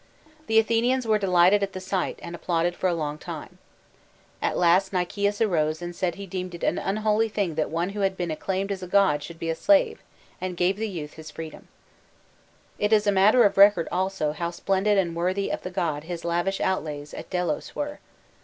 The Athenians were delighted at the sight, and applauded for a long time. At last Nicias rose and said he deemed it an unholy thing that one who had been acclaimed as a god should be 4 slave, and gave the youth his freedom. It is matter of record also how splendid and worthy of the god his lavish outlays at Delos were.